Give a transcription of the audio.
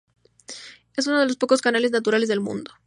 Es uno de los pocos canales naturales del mundo.